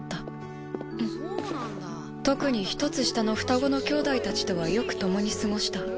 特に１つ下の双子の兄弟たちとはよく共に過ごした。